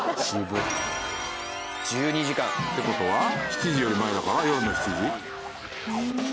１２時間。って事は７時より前だから夜の７時？